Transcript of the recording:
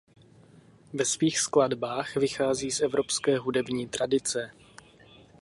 Ve svých skladbách vychází z evropské hudební tradice.